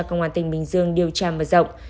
công an tỉnh bình dương điều tra mở rộng